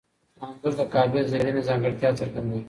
انځور د کعبې د ځلېدنې ځانګړتیا څرګندوي.